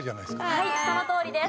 はいそのとおりです。